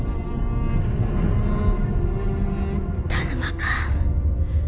田沼か？